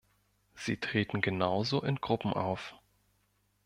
Sie treten genauso in Gruppen auf.